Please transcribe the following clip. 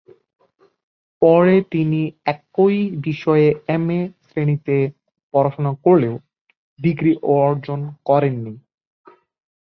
পরে তিনি একই বিষয়ে এমএ শ্রেণিতে পড়াশুনা করলেও ডিগ্রি অর্জন করেন নি।